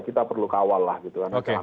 kita perlu kawal lah gitu kan